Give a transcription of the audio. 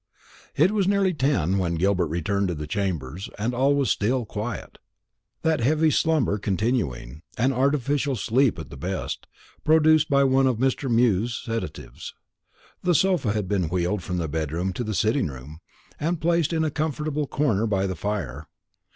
It was nearly ten when Gilbert returned to the chambers, and all was still quiet, that heavy slumber continuing; an artificial sleep at the best, produced by one of Mr. Mew's sedatives. The sofa had been wheeled from the bedroom to the sitting room, and placed in a comfortable corner by the fire.